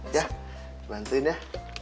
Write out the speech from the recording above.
ya bantuin ya